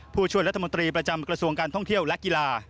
ผู้ช่วยรัฐมนตรีประจำกระทรวงการท่องเที่ยวและกีฬา